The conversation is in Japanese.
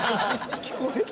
聞こえた？